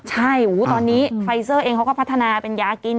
ใช่ตอนนี้ไฟเซอร์เองเขาก็พัฒนาเป็นยากิน